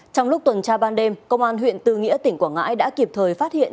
trong lúc tuần tra ban đêm công an huyện tư nghĩa tỉnh quảng ngãi đã kịp thời phát hiện